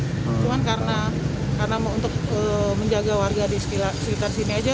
cuma karena untuk menjaga warga di sekitar sini aja